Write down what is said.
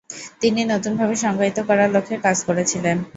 তিনি নতুনভাবে সংজ্ঞায়িত করার লক্ষ্যে কাজ করেছিলেন।